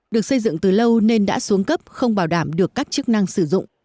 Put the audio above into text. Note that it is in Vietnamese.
được xây dựng từ lâu nên đã xuống cấp không bảo đảm được các chức năng sử dụng